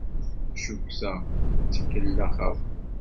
Cukkteɣ d tikellax akk.